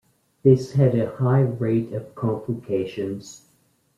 This had a high rate of complications.